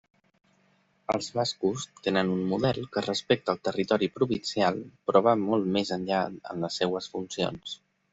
Els bascos tenen un model que respecta el territori provincial però va molt més enllà en les seues funcions.